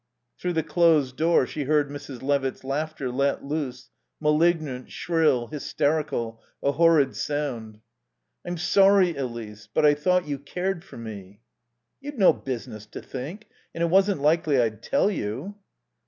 Through the closed door she heard Mrs. Levitt's laughter let loose, malignant, shrill, hysterical, a horrid sound. "I'm sorry, Elise. But I thought you cared for me." "You'd no business to think. And it wasn't likely I'd tell you."